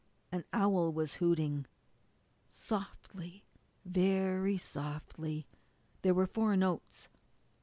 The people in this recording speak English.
An owl was hooting softly, very softly. There were four notes.